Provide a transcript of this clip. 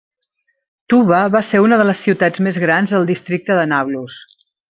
Tuba va ser una de les ciutats més grans del districte de Nablus.